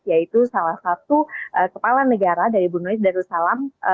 yaitu salah satu kepala negara dari brunoid darussalam